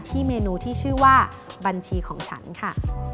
เมนูที่ชื่อว่าบัญชีของฉันค่ะ